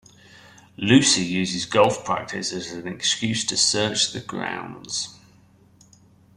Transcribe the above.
Lucy uses golf practice as an excuse to search the grounds.